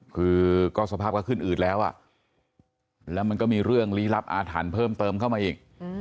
คือก็สภาพก็ขึ้นอืดแล้วแล้วมันก็มีเรื่องลี้ลับอาถรรพ์เพิ่มเติมเข้ามาอีก